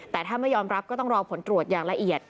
แต่ถ้าไม่ยอมรับก็ต้องรอผลตรวจอย่างละเอียด